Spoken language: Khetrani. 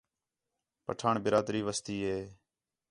پٹھاݨ برادری وسدی ہِے